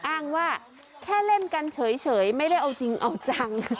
อ้างว่าแค่เล่นกันเฉยไม่ได้เอาจริงเอาจัง